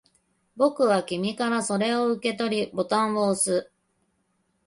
僕は君からそれを受け取り、ボタンを押す